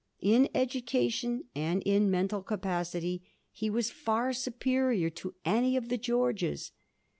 In education and in mental capacity he was far superior to any of the Georges.